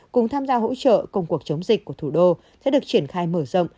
cùng tham gia hỗ trợ công cuộc chống dịch của thủ đô sẽ được triển khai mở rộng